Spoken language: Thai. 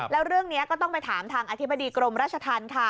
แล้วเรื่องนี้ก็ต้องไปถามทางอธิบดีกรมราชธรรมค่ะ